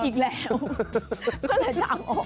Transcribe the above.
อีกแล้วเพื่อนแหล่งจะเอาออกมาเอาออก